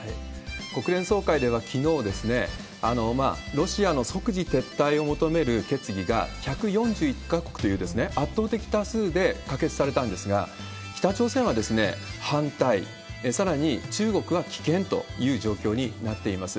国連総会ではきのう、ロシアの即時撤退を求める決議が１４１か国という圧倒的多数で可決されたんですが、北朝鮮は反対、さらに中国は棄権という状況になっています。